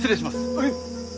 はい！